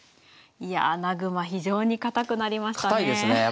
いや穴熊非常に堅くなりましたね。